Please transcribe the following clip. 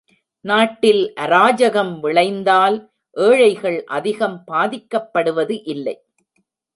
நாட்டில் அராஜகம் விளைந்தால் ஏழைகள் அதிகம் பாதிக்கப்படுவது இல்லை.